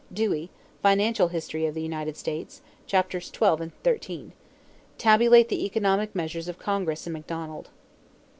Dewey, Financial History of the United States, Chaps. XII and XIII. Tabulate the economic measures of Congress in Macdonald.